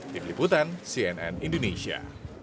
di peliputan cnn indonesia